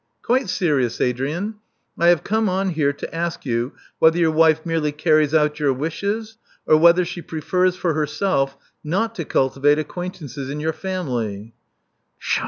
"Quite serious, Adrian. I have come on here to ask you whether your wife merely carries out your wishes, or whether she prefers for herself not to cultivate acquaintances in your family."